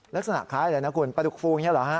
ลักษณะคล้ายอะไรนะคุณปลาดุกฟูอย่างนี้เหรอฮะ